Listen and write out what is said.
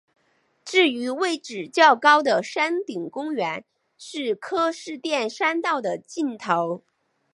至于位置较高的山顶公园是柯士甸山道的尽头。